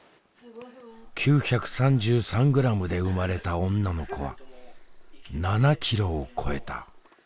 ９３３グラムで生まれた女の子は７キロを超えた。